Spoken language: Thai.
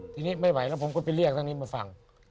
ทีนี้ไม่ไหวแล้วผมก็ไปเรียกทางนี้มาฟัง